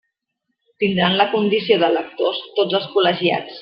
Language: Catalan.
Tindran la condició d'electors tots els col·legiats.